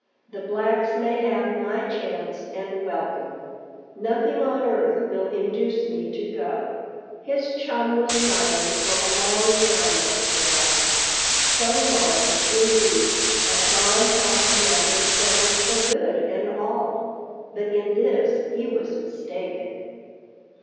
"The blacks may have my chance and welcome. Nothing on earth will induce me to go." His chum was silent for a long time after that so long, indeed, that Don thought the matter settled for good and all. But in this he was mistaken.